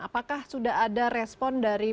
apakah sudah ada respon dari